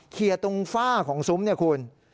เคลียร์ตรงฝ้าของซุ้มเนี่ยคุณ